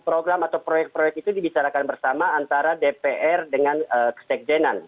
program atau proyek proyek itu dibicarakan bersama antara dpr dengan kesekjenan